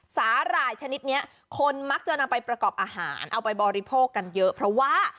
สาหร่ายชนิดนี้คนมักจะนำไปประกอบอาหารเอาไปบริโภคกันเยอะเพราะว่า